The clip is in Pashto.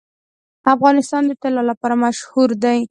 افغانستان د طلا لپاره مشهور دی.